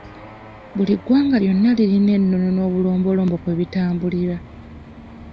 Buli ggwanga lyonna lirirna enono n'obulombolombo kwe litambulira.